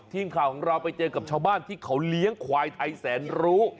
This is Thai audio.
ทีมข่าวของเราไปเจอกับชาวบ้านที่เขาเลี้ยงควายไทยแสนรู้